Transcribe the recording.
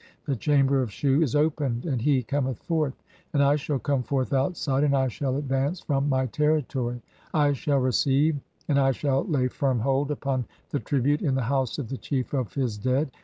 "The chamber of Shu is opened, and he cometh. forth ; and I "shall come forth (3) outside, and I shall advance from my "territory(?), I shall receive and I shall lay firm hold upon "the tribute in the House of the Chief of his dead.